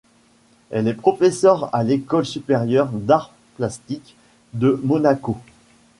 Elle est professeur à l'École supérieure d'arts plastiques de Monaco.